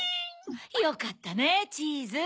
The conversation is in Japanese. よかったねチーズ。